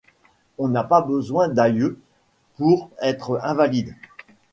On n’a pas besoin d’aïeux pour être invalide.